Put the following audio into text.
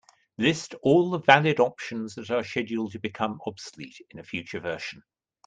List all the valid options that are scheduled to become obsolete in a future version.